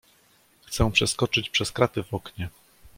"Chcę przeskoczyć przez kraty w oknie."